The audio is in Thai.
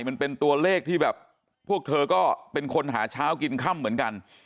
มันเป็นตัวเลขที่แบบพวกเธอก็เป็นคนหาเช้ากินค่ำเหมือนกัน